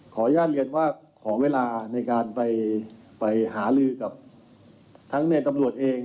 ขออนุญาตเรียนว่าขอเวลาในการไปหาลือกับทั้งในตำรวจเอง